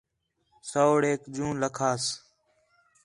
سوڑیک جوں لَکھاس